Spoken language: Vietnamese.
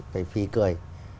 phải phì cười